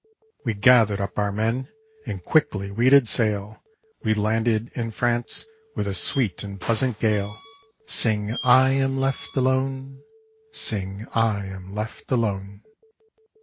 We gathered up our men And quickly we did sail, We landed in France With a sweet and pleasant gale. Sing I am left alone, Sing I am left alone.